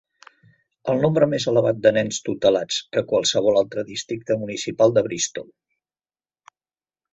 El nombre més elevat de nens tutelats que qualsevol altre districte municipal de Bristol.